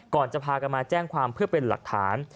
ก่อนจะพากันมาแจ้งความเพื่อเป็นหลักฐาน